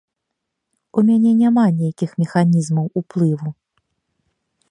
У мяне няма нейкіх механізмаў уплыву.